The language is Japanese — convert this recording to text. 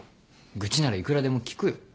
愚痴ならいくらでも聞くよ。